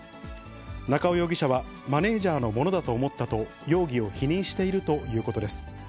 中尾容疑者は、マネジャーのものだと思ったと、容疑を否認しているということです。